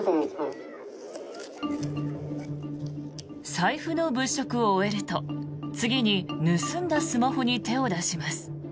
財布の物色を終えると、次に盗んだスマホに手を出します。